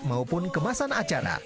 maupun kemasan acara